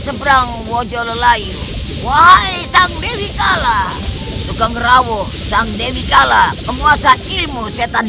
seberang wajol layu wahai sang dewi kala suka ngerawuh sang dewi kala penguasa ilmu setan